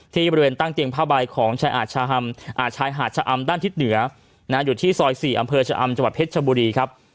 บริเวณตั้งเตียงผ้าใบของชายหาดชะอำด้านทิศเหนืออยู่ที่ซอย๔อำเภอชะอำจังหวัดเพชรชบุรีครับ